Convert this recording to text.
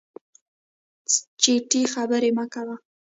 چټي خبري مه کوه !